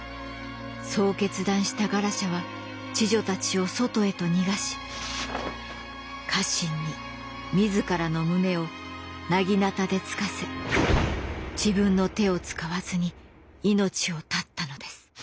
そう決断したガラシャは侍女たちを外へと逃がし家臣に自らの胸を薙刀で突かせ自分の手を使わずに命を絶ったのです。